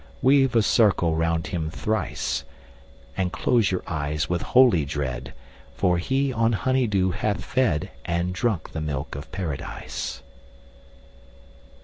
50 Weave a circle round him thrice, And close your eyes with holy dread, For he on honey dew hath fed, And drunk the milk of Paradise.